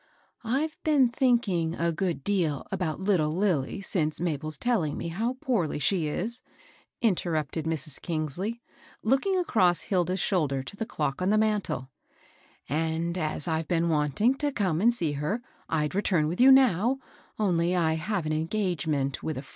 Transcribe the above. " I've been thinking a good deal about little Lilly since Mabel's telling me how poorly she is,'* interrupted Mrs. Kingsley, looking across Hilda's shoulder to the clock on the mantel ;and, as I've been wanting to come and see her, I'd return with you now, only I have an engagement with a now HILDA KEBPS HBB POWDBB DEY.